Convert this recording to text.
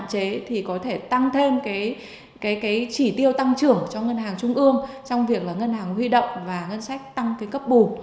để tăng thêm cái chỉ tiêu tăng trưởng cho ngân hàng trung ương trong việc là ngân hàng huy động và ngân sách tăng cái cấp bù